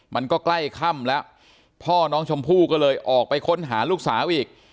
มันก็ใกล้ค่ำแล้วพ่อน้องชมพู่ก็เลยออกไปค้นหาลูกสาวอีก